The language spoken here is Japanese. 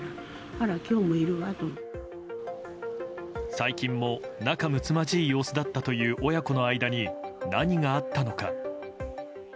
最近も仲むつまじい様子だったという親子の間に何があったのか。